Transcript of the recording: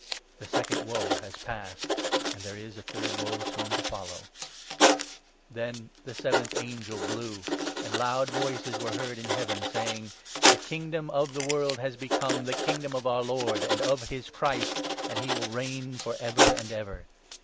The second Woe has passed ; and there is a third Woe soon 14 to follow ! Then the seventh angel blew ; and loud voices were heard 15 in Heaven saying —' The Kingdom of the World has become the Kingdom of our Lord and of his Christ, and he will reign for ever and ever.